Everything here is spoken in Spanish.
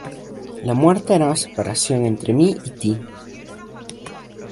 la muerte hará separación entre mí y ti.